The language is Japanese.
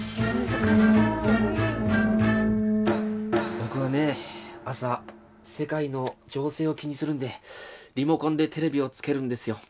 僕はねえ朝世界の情勢を気にするんでリモコンでテレビをつけるんですよ。